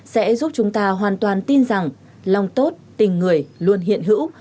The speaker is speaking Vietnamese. sẽ giúp chúng ta hoàn toàn tin rằng lòng tốt tình người luôn hiện hữu